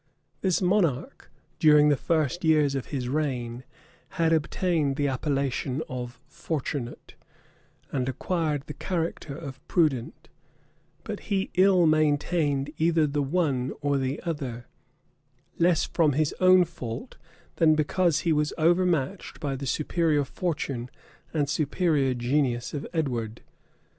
This monarch, during the first years of his reign, had obtained the appellation of Fortunate, and acquired the character of prudent; but he ill maintained either the one or the other; less from his own fault, than because he was overmatched by the superior fortune and superior genius of Edward.